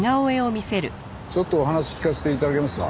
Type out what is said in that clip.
ちょっとお話聞かせて頂けますか？